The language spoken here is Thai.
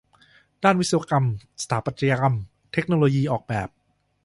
ด้านวิศวกรรม สถาปัตย์ เทคโนโลยี ออกแบบ